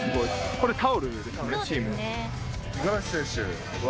これタオルですねチームの。